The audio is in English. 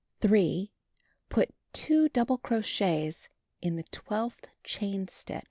3. Put 2 double crochets in the twelfth chain stitch.